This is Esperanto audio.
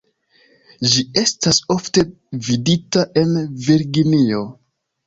Ĝi estas ofte vidita en Virginio.